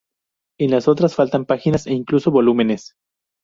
En las otras faltan páginas e incluso volúmenes.